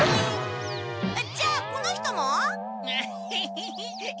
じゃあこの人も？ヘヘヘ。